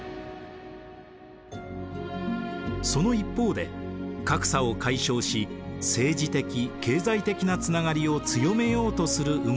その一方で格差を解消し政治的経済的なつながりを強めようとする動きもあります。